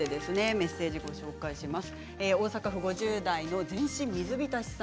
メッセージをご紹介します。